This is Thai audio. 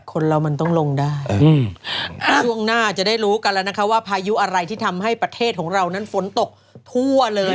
คนเรามันต้องลงได้ช่วงหน้าจะได้รู้กันแล้วนะคะว่าพายุอะไรที่ทำให้ประเทศของเรานั้นฝนตกทั่วเลย